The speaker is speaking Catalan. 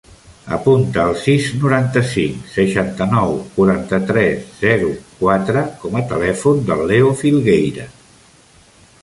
Apunta el sis, noranta-cinc, seixanta-nou, quaranta-tres, zero, quatre com a telèfon del Leo Filgueira.